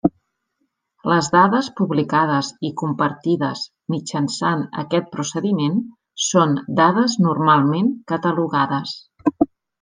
Les dades publicades i compartides mitjançant aquest procediment són dades normalment catalogades.